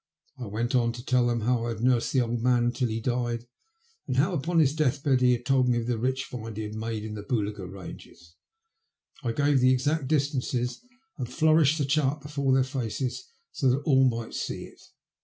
I went on to tell them how I had nursed the old man until he died, and how on his deathbed he had told me of the rich find he had made in the Boolga Banges. I gave the exact distances, and flourished the chart before their faces so that all might see it.